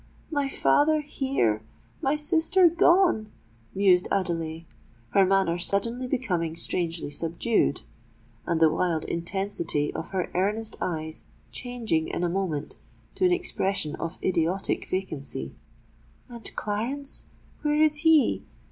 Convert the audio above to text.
"My father here—my sister gone," mused Adelais, her manner suddenly becoming strangely subdued, and the wild intensity of her earnest eyes changing in a moment to an expression of idiotic vacancy;—"and Clarence—where is he?